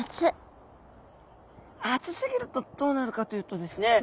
暑すぎるとどうなるかというとですね